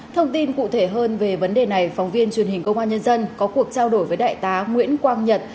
thông tin cụ thể hơn về vấn đề này phóng viên truyền hình công an nhân dân có cuộc trao đổi với đại tá nguyễn quang nhật